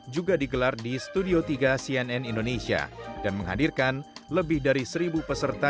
juga digelar di studio tiga cnn indonesia dan menghadirkan lebih dari seribu peserta